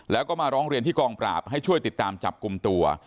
แล้วก็มาร้องเรียนที่กองปราบให้ช่วยติดตามจับกลุ่มตัว